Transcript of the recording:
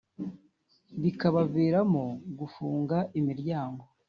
bikabaviramo gufunga imiryango